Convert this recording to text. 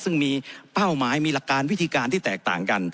ซึ่งมีเป้าหมายมีหลักการวิธีการที่แตกต่างกัน